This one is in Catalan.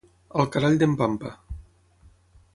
Al carall d'en Pampa.